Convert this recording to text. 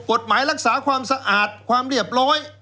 กฎหมายรักษาความสะอาดความเรียบร้อย